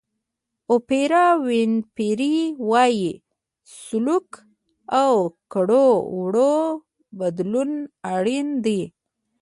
اوپرا وینفري وایي سلوک او کړو وړو بدلون اړین دی.